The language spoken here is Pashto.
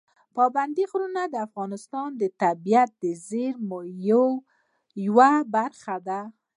پابندي غرونه د افغانستان د طبیعي زیرمو یوه برخه ده.